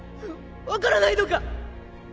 分からないのか？